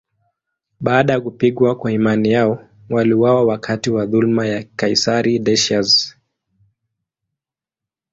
Baada ya kupigwa kwa imani yao, waliuawa wakati wa dhuluma ya kaisari Decius.